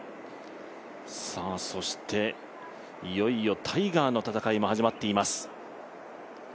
そしていよいよタイガーの戦いも始まっています。